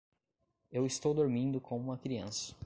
Eu estou dormindo com uma criança.